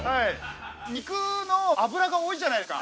肉の脂が多いじゃないですか。